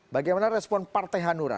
bagaimana respon partai hanura